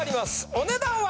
お値段は？